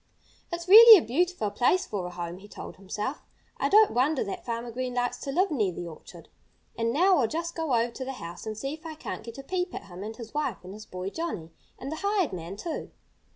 "It's really a beautiful place for a home," he told himself. "I don't wonder that Farmer Green likes to live near the orchard. And now I'll just go over to the house and see if I can't get a peep at him and his wife and his boy, Johnnie and the hired man, too."